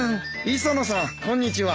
磯野さんこんにちは。